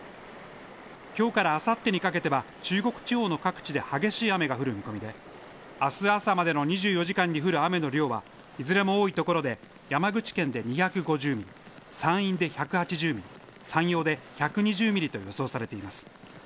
きょうからあさってにかけては中国地方の各地で激しい雨が降る見込みであす朝までの２４時間に降る雨の量はいずれも多いところで山口県で２５０ミリ、山陰で１８０ミリ山陽で１２０ミリと予想されています。